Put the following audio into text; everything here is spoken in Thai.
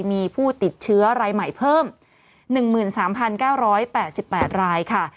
มีผู้ติดเชื้อรายใหม่เพิ่ม๑๓๙๘๘รายค่ะ